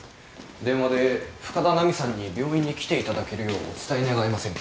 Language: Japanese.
電話で深田奈美さんに病院に来ていただけるようお伝え願えませんかと。